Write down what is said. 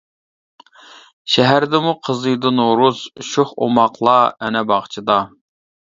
شەھەردىمۇ قىزىيدۇ نورۇز، شوخ ئوماقلار ئەنە باغچىدا.